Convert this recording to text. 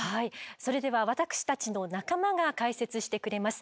それでは私たちの仲間が解説してくれます。